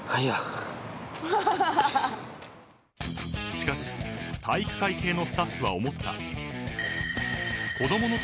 ［しかし体育会系のスタッフは思った］